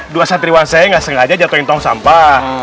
dua santriwan saya nggak sengaja jatuhin tong sampah